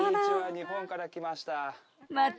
日本から来ました。